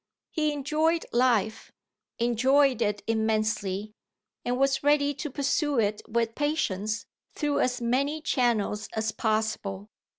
He enjoyed life, enjoyed it immensely, and was ready to pursue it with patience through as many channels as possible.